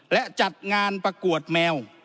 และจัดงานประกวดแมว